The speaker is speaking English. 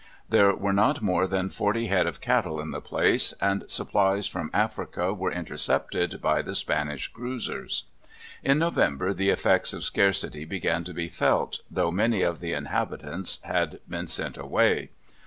There were not more than forty head of cattle in the place, and supplies from Africa were intercepted by the Spanish cruisers. In November the effects of scarcity began to be felt, though many of the inhabitants had been sent away.